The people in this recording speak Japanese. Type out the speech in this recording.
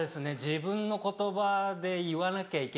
自分の言葉で言わなきゃいけないので。